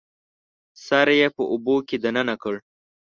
سر یې په اوبو کې دننه کړ